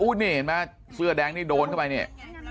นี่เห็นไหมเสื้อแดงนี่โดนเข้าไปเนี่ย